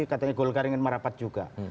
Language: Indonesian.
katanya golkar ingin merapat juga